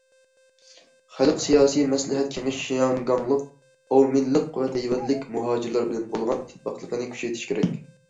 خەلق سىياسىي مەسلىھەت كېڭىشى شياڭگاڭلىق، ئاۋمېنلىق ۋە تەيۋەنلىك مۇھاجىرلار بىلەن بولغان ئىتتىپاقلىقنى كۈچەيتىشى كېرەك.